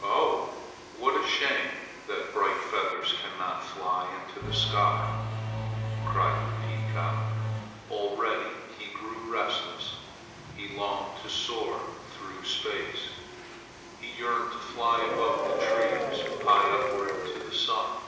"Oh, what a shame that bright feathers cannot fly into the sky!" cried the peacock. Already he grew restless. He longed to soar through space. He yearned to fly above the trees high upward to the sun.